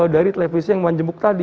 dari televisi yang menjemuk tadi